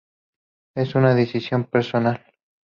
Es una decisión personal.